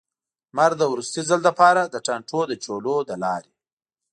لمر د وروستي ځل لپاره، د ټانټو د چولو له لارې.